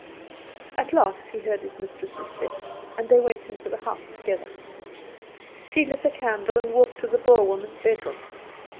At last he heard his mistress' step, and they went into the house together. She lit a candle, and walked to the Boer woman's bedroom.